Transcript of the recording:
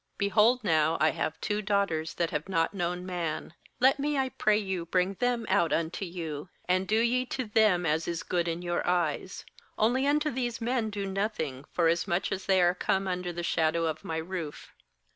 8Behold now, I have two daughters that have not known man; let me, I pray you, bring them out unto you, and do ye to them as is good in your eyes; only unto these men do nothing; forasmuch as they are come under the shadow of my roof.'